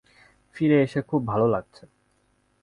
ফিরে এসে খুব ভালো লাগছে।